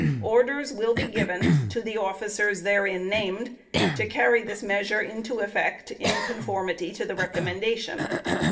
Orders will be given to the officers therein named to carry the measure into effect, in conformity to the recommendation.